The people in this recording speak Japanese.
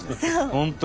本当。